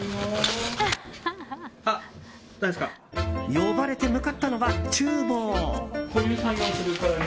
呼ばれて向かったのは、厨房。